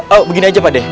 oh begini aja pak de